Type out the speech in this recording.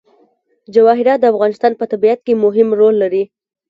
جواهرات د افغانستان په طبیعت کې مهم رول لري.